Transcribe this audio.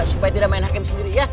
supaya tidak main hakim sendiri ya